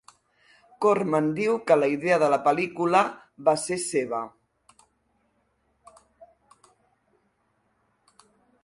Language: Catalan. Corman diu que la idea de la pel·lícula va ser seva.